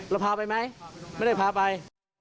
เราพาไปไหมไม่ได้พาไป